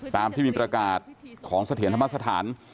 ตามที่มีประกาศของเสถียรธรรมสถาน